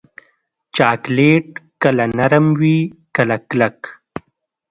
چاکلېټ کله نرم وي، کله کلک.